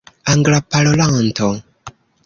anglaparolanto